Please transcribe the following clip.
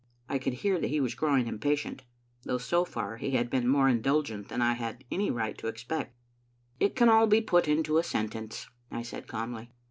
I could hear that he was growing impatient, though so far he had been more indulgent than I had any right to expect "It can all be put into a sentence," I said calmly.